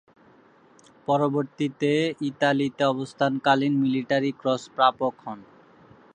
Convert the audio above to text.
পরবর্তীতে ইতালিতে অবস্থানকালীন military cross প্রাপক হন।